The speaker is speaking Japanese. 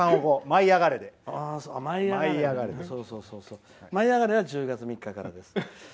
「舞いあがれ！」は１０月３日からです。